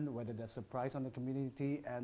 apakah itu harga untuk komunitas